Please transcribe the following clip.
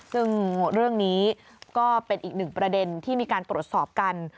ซึ่งเรื่องนี้ก็เป็นอีกหนึ่งประเด็นที่มีการตรวจสอบกัน